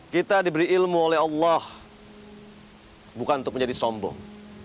kita diberi ilmu oleh allah bukan untuk menjadi sombong